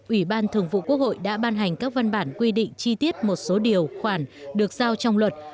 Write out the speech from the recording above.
ủy ban thường vụ quốc hội đã ban hành các văn bản quy định chi tiết một số điều khoản được giao trong luật